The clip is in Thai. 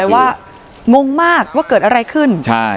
ว่างงมากว่าเกิดอะไรขึ้นใช่